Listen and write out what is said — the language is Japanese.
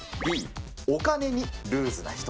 Ｂ、お金にルーズな人。